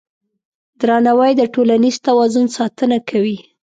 درناوی د ټولنیز توازن ساتنه کوي.